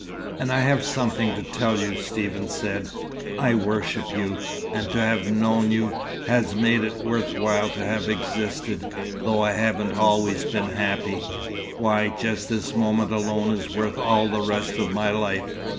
"And I have something to tell you," Stephen said. "I worship you, and to have known you, has made it worth while to have existed, though I haven't always been happy. Why, just this moment alone is worth all the rest of my life.